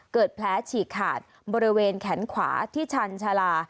เกิดแผลฉีกขาดบริเวณแขนขวาที่ชันชาลา